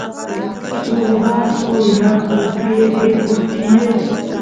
suk vasu yakupi eqequs tiyan